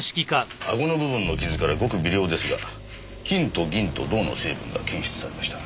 あごの部分の傷からごく微量ですが金と銀と銅の成分が検出されました。